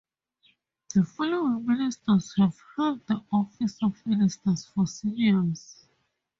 The following ministers have held the office of Minister for Seniors.